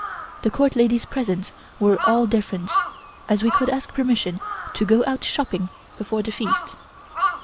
The Court ladies' presents were all different, as we could ask permission to go out shopping before the Feast.